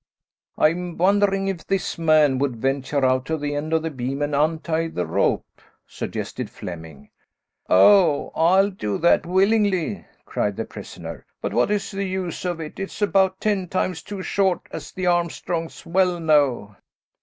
"I'm wondering if this man would venture out to the end of the beam and untie the rope," suggested Flemming. "Oh, I'll do that, willingly," cried the prisoner. "But what is the use of it; it's about ten times too short, as the Armstrongs well know."